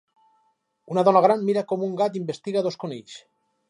Una dona gran mira com un gat investiga dos conills.